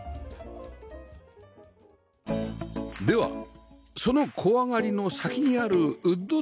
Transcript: ではその小上がりの先にあるウッドデッキを拝見します